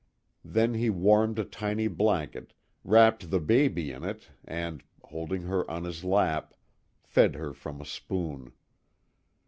Then he warmed a tiny blanket, wrapped the baby in it and, holding her on his lap, fed her from a spoon.